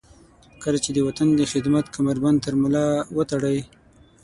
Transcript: کله چې د وطن د خدمت کمربند تر ملاتړئ.